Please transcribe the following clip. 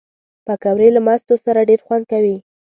پکورې له مستو سره ډېر خوند کوي